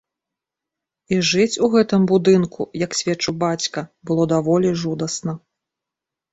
І жыць у гэтым будынку, як сведчыў бацька, было даволі жудасна.